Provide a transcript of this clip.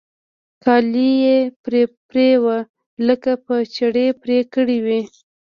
كالي يې پرې پرې وو لکه په چړې پرې كړي وي.